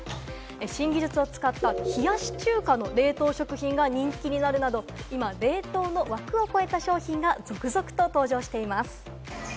新技術を使った冷やし中華の冷凍食品が人気になるなど、今、冷凍の枠を超えた商品が続々と登場しています。